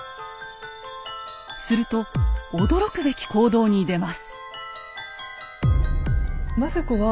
すると驚くべき行動に出ます。